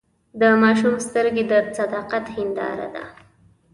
د ماشوم سترګې د صداقت هنداره ده.